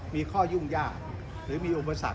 มีข้อยุ่งยากหรือมีอุปสรรค